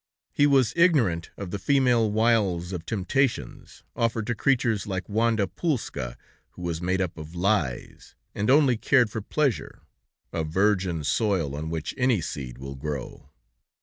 He was ignorant of the female wiles of temptations, offered to creatures like Wanda Pulska, who was made up of lies, and only cared for pleasure, a virgin soil on which any seed will grow.